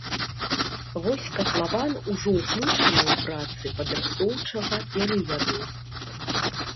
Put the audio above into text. Вось катлаван ужо ўключаны ў працы падрыхтоўчага перыяду.